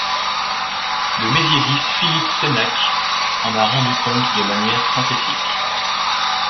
Le médiéviste Philippe Sénac en a rendu compte de manière synthétique.